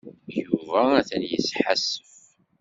Yuba atan yesḥassef.